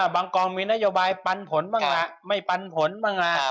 กองมีนโยบายปันผลบ้างล่ะไม่ปันผลบ้าง